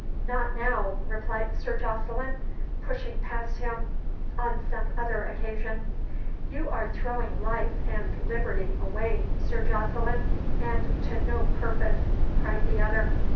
"Not now," replied Sir Jocelyn, pushing past him. "On some other occasion." "You are throwing life and liberty away, Sir Jocelyn, and to no purpose," cried the other.